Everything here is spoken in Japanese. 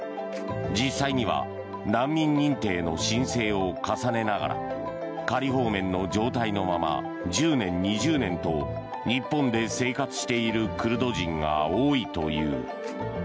実際には難民認定の申請を重ねながら仮放免の状態のまま１０年、２０年と日本で生活しているクルド人が多いという。